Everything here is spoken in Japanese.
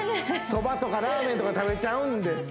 そばとかラーメンとか食べちゃうんです